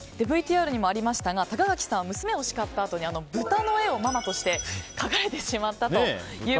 ＶＴＲにもありましたが高垣さん娘をしかったあとにブタの絵を描かれてしまったと。